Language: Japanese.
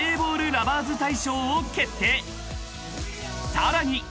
［さらに］